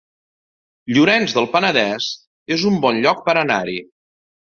Llorenç del Penedès es un bon lloc per anar-hi